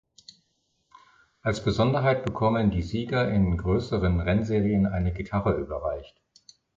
Als Besonderheit bekommen die Sieger in größeren Rennserien eine Gitarre überreicht.